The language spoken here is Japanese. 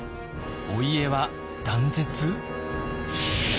お家は断絶？